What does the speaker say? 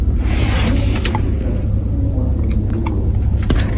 Ne ekzistas fumo sen brulo.